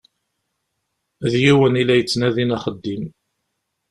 D yiwen i la yettnadin axeddim.